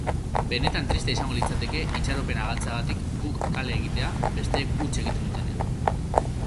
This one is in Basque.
Benetan tristea izango litzateke itxaropena galtzeagatik guk kale egitea besteek huts egin dutenean.